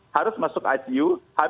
harus masuk icu